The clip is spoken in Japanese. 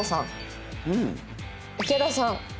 池田さん。